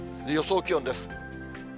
予想気温です。